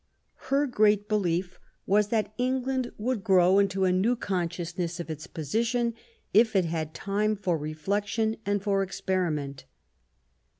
Her great belief was that England would grow into a new consciousness of its position, if it had time for reflection and for experiment.